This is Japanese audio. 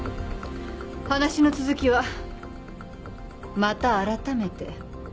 話の続きはまた改めて。